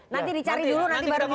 nanti dicari dulu baru dilanjutkan